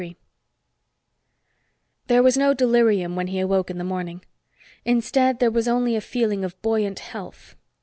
III There was no delirium when he awoke in the morning. Instead, there was only a feeling of buoyant health.